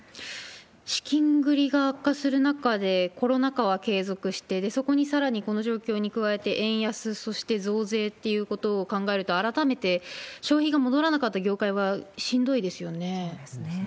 資金繰りが悪化する中で、コロナ禍が継続して、そこにさらにこの状況に加えて円安、そして増税っていうことを考えると、改めて消費が戻らなかった業界はしんどいですよね。